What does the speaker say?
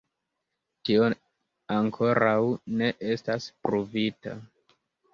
Tio ankoraŭ ne estas pruvita.